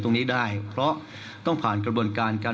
คุณหมอชนหน้าเนี่ยคุณหมอชนหน้าเนี่ย